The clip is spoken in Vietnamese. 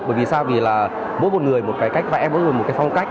bởi vì sao vì là mỗi một người một cái cách vẽ mỗi một người một cái phong cách